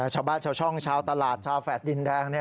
ชาวช่องชาวตลาดชาวแฝดดินแดง